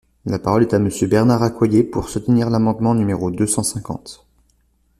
La parole est à Monsieur Bernard Accoyer, pour soutenir l’amendement numéro deux cent cinquante.